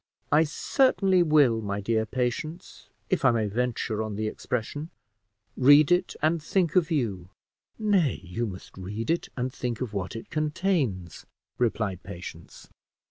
"I certainly will, my dear Patience if I may venture on the expression read it, and think of you." "Nay, you must read it, and think of what it contains," replied Patience.